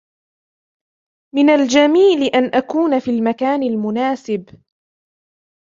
من الجميل أن أكون في المكان المناسب.